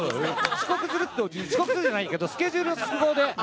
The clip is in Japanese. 遅刻するって遅刻じゃないけど、スケジュールの都合で。